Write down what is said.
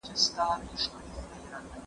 كـــــه ژاړمـــــه كـــه نـــه ژاړم